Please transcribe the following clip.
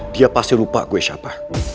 dia pasti lupa gue siapa